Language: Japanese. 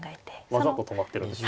わざと止まってるんです。